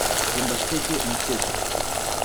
ngo mbatege umutego